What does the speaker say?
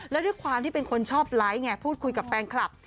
แล้วด้วยความที่เป็นคนชอบไลค์ไงพูดคุยกับแฟนคลับ